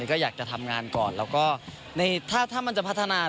ซึ่งเจ้าตัวก็ยอมรับว่าเออก็คงจะเลี่ยงไม่ได้หรอกที่จะถูกมองว่าจับปลาสองมือ